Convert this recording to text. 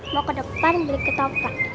mau ke depan beli ketopak